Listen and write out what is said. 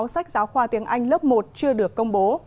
sách giáo khoa tiếng anh lớp một chưa được công bố